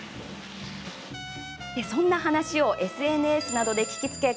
そんな話をＳＮＳなどで聞きつけ